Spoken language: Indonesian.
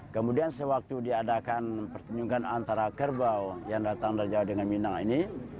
kemudian sewaktu diadakan pertunjukan antara kerbau yang datang dari jawa dengan minang ini